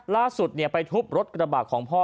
ล่าสุดไปทุบรถกระบะของพ่อ